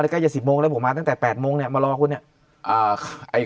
ใกล้จะ๑๐โมงแล้วผมมาตั้งแต่๘โมงเนี่ยมารอคุณเนี่ย